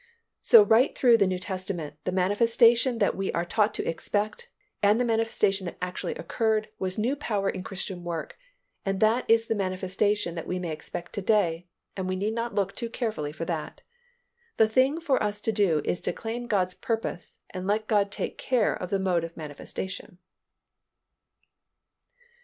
So right _through the New Testament, the manifestation that we are taught to expect, and the manifestation that actually occurred was new power in Christian work_, and that is the manifestation that we may expect to day and we need not look too carefully for that. The thing for us to do is to claim God's promise and let God take care of the mode of manifestation.